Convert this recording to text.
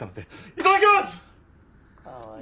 いただきます！